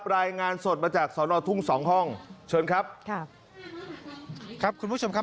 รายงานสดมาจากสอนอทุ่งสองห้องเชิญครับค่ะครับคุณผู้ชมครับ